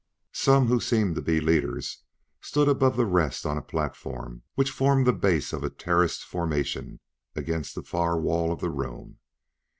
Some who seemed to be leaders stood above the rest on a platform which formed the base of a terraced formation against the far wall of the room.